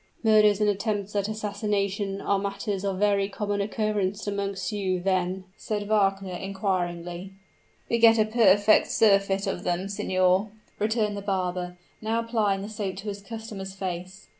"Murders and attempts at assassination are matters of very common occurrence amongst you, then?" said Wagner, inquiringly. "We get a perfect surfeit of them, signor," returned the barber, now applying the soap to his customer's face.